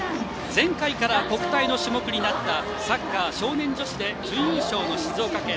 前回から国体の種目になったサッカー少年女子で準優勝の静岡県。